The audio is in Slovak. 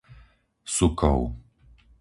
Sukov